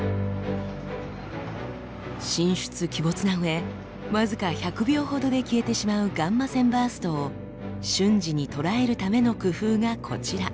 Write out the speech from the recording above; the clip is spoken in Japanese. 神出鬼没なうえ僅か１００秒ほどで消えてしまうガンマ線バーストを瞬時に捉えるための工夫がこちら。